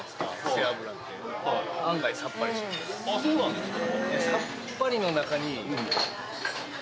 あそうなんですか。